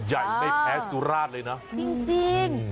ใหญ่ไม่แพ้สุราชเลยนะจริง